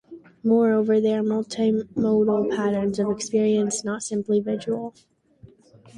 Moreover, they are multi-modal patterns of experience, not simply visual.